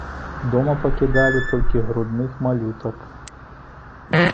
Дома пакідалі толькі грудных малютак.